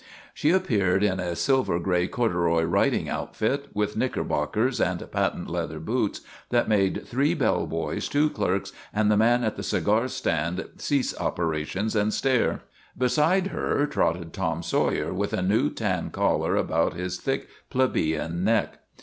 She appeared in a sil ver gray corduroy riding habit, with knickerbockers and patent leather boots, that made three bell boys, two clerks, and the man at the cigar stand cease op erations and stare. Beside her trotted Tom Sawyer with a new tan collar about his thick, plebeian neck.